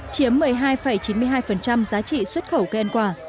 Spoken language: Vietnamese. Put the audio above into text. chiếm một mươi hai chín mươi hai giá trị xuất khẩu cây ăn quả